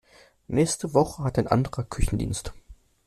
Nächste Woche hat ein anderer Küchendienst.